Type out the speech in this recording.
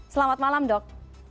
selamat malam dok